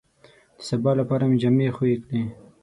د سبا لپاره مې جامې خوې کړې.